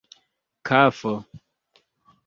kafo